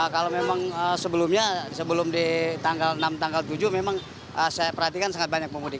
kalau memang sebelumnya sebelum di tanggal enam tanggal tujuh memang saya perhatikan sangat banyak pemudik